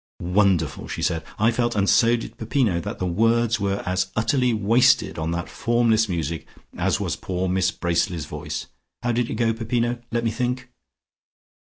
"Wonderful!" she said. "I felt, and so did Peppino, that the words were as utterly wasted on that formless music as was poor Miss Bracely's voice. How did it go, Peppino? Let me think!"